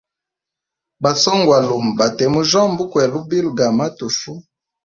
Ba swongwalume bate mujyomba ukwela lubilo ga matufu.